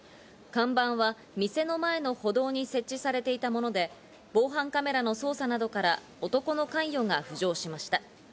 看板は店の前の歩道に設置されていたもので、防犯カメラの捜査などから男の関与が浮上しました。